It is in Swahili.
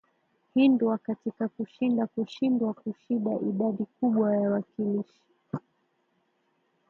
hindwa katika kushinda kushindwa kushida idadi kubwa ya wakilishi